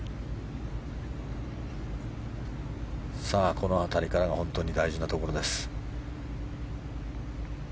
この辺りからが本当に大事なところです。